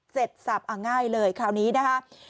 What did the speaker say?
เสร็จสับง่ายเลยคราวนี้นะคะ